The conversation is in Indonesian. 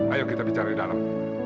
ayo kita bicara di dalam